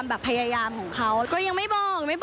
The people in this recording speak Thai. กุ๊บกิ๊บขอสงวนท่าที่ให้เวลาเป็นเครื่องท่าที่สุดไปก่อน